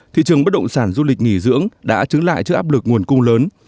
thị trường bất động sản du lịch nghỉ dưỡng đã chứng lại trước áp lực nguồn cung lớn